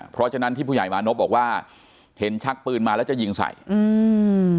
เพราะฉะนั้นที่ผู้ใหญ่มานพบอกว่าเห็นชักปืนมาแล้วจะยิงใส่อืม